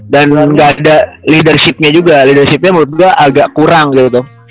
dan ga ada leadershipnya juga leadershipnya menurut gua agak kurang gitu